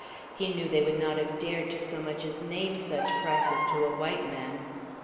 He knew they would not have dared to so much as name such prices to a white man.